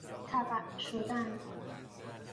طبع شدن